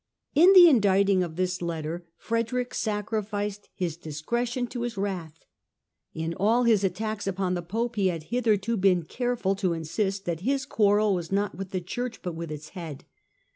In the indicting of this letter Frederick sacrificed his discretion to his wrath. In all his attacks upon the Pope he had hitherto been careful to insist that his quarrel was not with the Church but with its head.